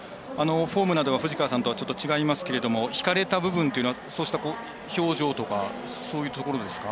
フォームなどは藤川さんとちょっと違いますけれどもひかれた部分とかはそうした表情とかそういうところですか？